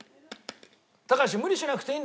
高橋無理しなくていいよ。